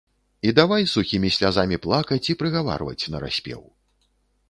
І давай сухімі слязамі плакаць і прыгаварваць нараспеў.